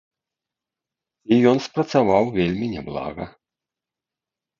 І ён спрацаваў вельмі няблага.